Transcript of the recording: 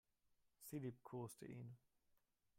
Sie liebkoste ihn.